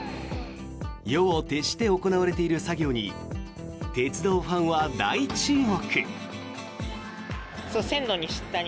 夜を徹して行われている作業に鉄道ファンは大注目。